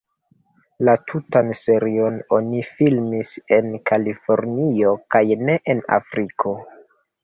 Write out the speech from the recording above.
La tutan serion oni filmis en Kalifornio kaj ne en Afriko.